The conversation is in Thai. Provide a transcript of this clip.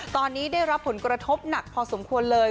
ตอนนี้ได้รับผลกระทบหนักพอสมควรเลย